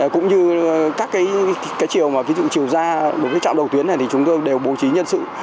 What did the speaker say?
cũng như các chiều ra đúng trạm đầu tuyến này chúng tôi đều bố trí nhân sự